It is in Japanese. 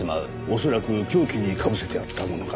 恐らく凶器に被せてあったものかと。